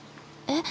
えっ？